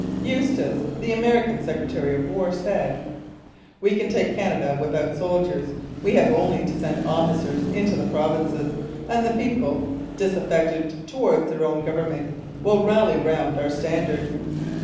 Eustis, the American Secretary of War, said: 'We can take Canada without soldiers. We have only to send officers into the Provinces, and the people, disaffected towards their own Government, will rally round our standard.'